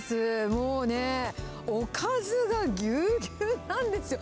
もうね、おかずがぎゅうぎゅうなんですよ。